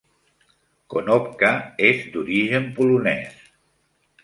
Konopka és d'origen polonès.